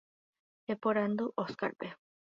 Eporandu Óscarpe.